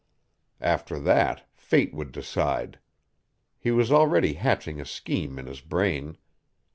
After that fate would decide. He was already hatching a scheme in his brain.